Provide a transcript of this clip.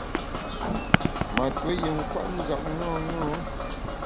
Ma tuo yin kwet njap ṅaṅâ.